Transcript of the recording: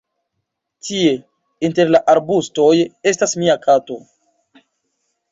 Tie, inter la arbustoj, estas mia kato.